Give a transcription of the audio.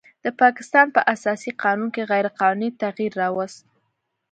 د پاکستان په اساسي قانون کې غیر قانوني تغیر راوست